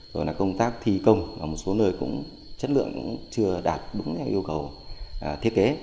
rồi là công tác thi công là một số nơi chất lượng cũng chưa đạt đúng yêu cầu thiết kế